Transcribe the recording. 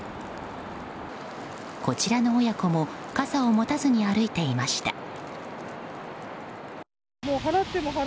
こちらの親子も傘を持たずに歩いていました。